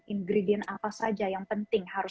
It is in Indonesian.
ingredient apa saja yang penting harus